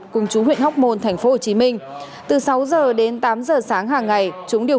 hai nghìn một cùng chú huyện hóc môn thành phố hồ chí minh từ sáu giờ đến tám giờ sáng hàng ngày chúng điều